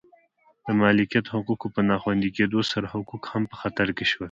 د مالکیت حقونو په نا خوندي کېدو سره حقوق هم په خطر کې شول